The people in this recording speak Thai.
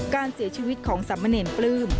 การเสียชีวิตของสามเณรปลื้ม